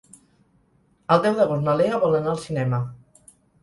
El deu d'agost na Lea vol anar al cinema.